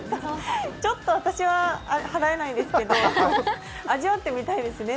ちょっと私は払えないですけど味わってみたいですね